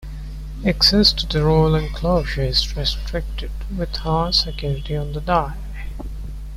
Access to the Royal Enclosure is restricted, with high security on the day.